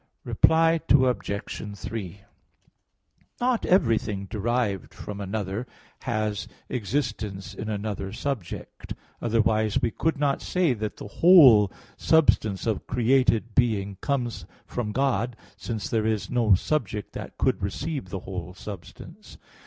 Reply Obj. 3: Not everything derived from another has existence in another subject; otherwise we could not say that the whole substance of created being comes from God, since there is no subject that could receive the whole substance.